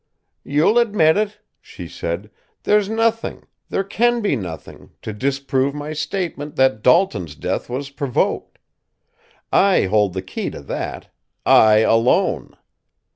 "You'll admit it," she said. "There's nothing there can be nothing to disprove my statement that Dalton's death was provoked. I hold the key to that I alone.